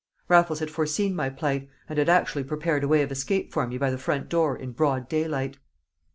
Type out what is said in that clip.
Raffles had foreseen my plight, and had actually prepared a way of escape for me by the front door in broad daylight.